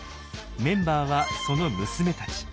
メンバーはその娘たち。